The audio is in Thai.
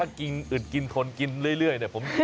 แต่ถ้าอิ่งกินธนกินเรื่อยเนี่ยผมก็ทอไหว